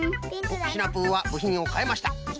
おっシナプーはぶひんをかえました。